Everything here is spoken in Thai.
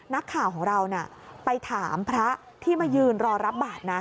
นักข่าวของเราไปถามพระที่มายืนรอรับบาทนะ